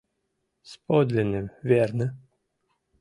С подлинным верно: